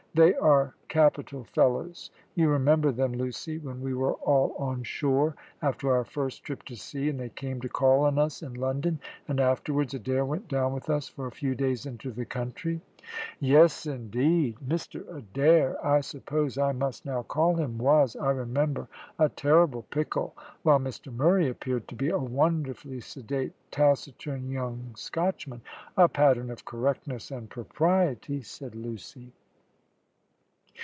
They are capital fellows. You remember them, Lucy, when we were all on shore after our first trip to sea, and they came to call on us in London, and afterwards Adair went down with us for a few days into the country." "Yes, indeed. Mr Adair, I suppose I must now call him, was, I remember, a terrible pickle; while Mr Murray appeared to be a wonderfully sedate, taciturn young Scotchman, a pattern of correctness and propriety," said Lucy.